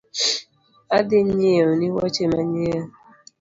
Adhi nyieoni woche manyien